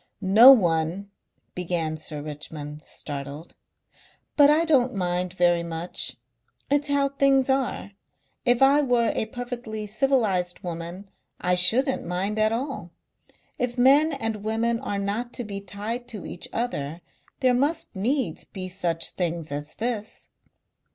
"No one " began Sir Richmond, startled. "But I don't mind very much. It's how things are. If I were a perfectly civilized woman I shouldn't mind at all. If men and women are not to be tied to each other there must needs be such things as this."